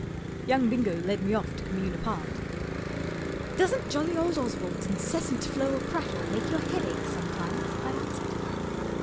Young Bingo led me off to commune apart. 4 Doesn't jolly old Oswald's incessant flow of prattle make your head ache some¬ times ?" I asked.